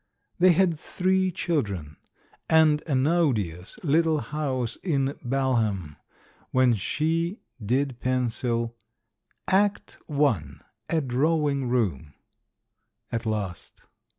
They had three children, and an odious little house in Balham when she did pencil "Act I. — A Drawing Room" at last.